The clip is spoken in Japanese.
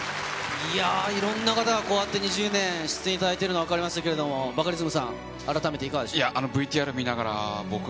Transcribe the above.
いや、いろんな方がこうやって２０年出演していただいてるのがわかりましたけど、バカリズムさん、改めていかがですか？